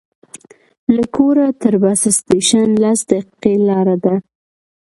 له کوره تر بس سټېشن لس دقیقې لاره ده.